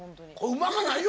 うまかないよ！